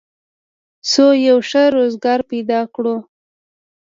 څو یو ښه روزګار پیدا کړو